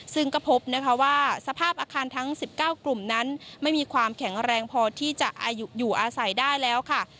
ซึ่งก็พบนะคะว่าสภาพอาคารทั้ง๑๙กลุ่มนั้นไม่มีความแข็งแรงพอที่จะอยู่อาศัยได้แล้วค่ะ